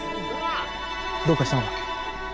どうかしたのか？